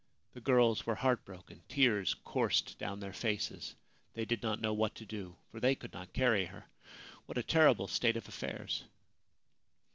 The girls were heartbroken. Tears coursed down their faces. They did not know what to do, for they could not carry her. What a terrible state of affairs